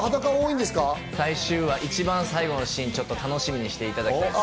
最終話、一番最後のシーン、ちょっと楽しみにしていただきたいです。